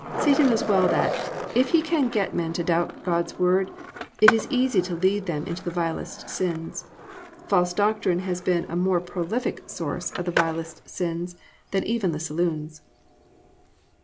Satan knows well; that, if he can get men to doubting God's Word, it is easy to lead them into the vilest sins. False doctrine has been a more prolific source of the vilest sins than even the saloons.